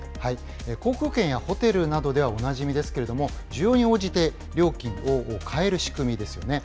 航空券やホテルなどではおなじみですけれども、需要に応じて料金を変える仕組みですよね。